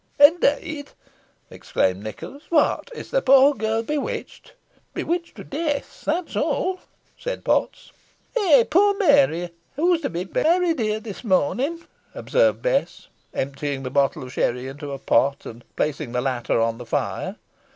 "Indeed!" exclaimed Nicholas. "What, is the poor girl bewitched?" "Bewitched to death that's all," said Potts. "Eigh poor Meary! hoo's to be berried here this mornin," observed Bess, emptying the bottle of sherris into a pot, and placing the latter on the fire.